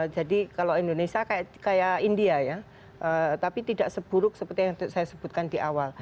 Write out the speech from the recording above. jadi kalau indonesia kayak india ya tapi tidak seburuk seperti yang saya sebutkan di awal